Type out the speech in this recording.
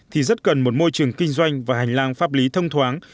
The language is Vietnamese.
thì rất cần một môi trường kinh doanh và hành lang pháp lý thông thoáng